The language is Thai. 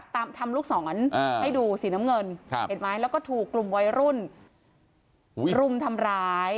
ทำลูกศรให้ดูสีน้ำเงินเห็นไหมแล้วก็ถูกกลุ่มวัยรุ่นรุมทำร้าย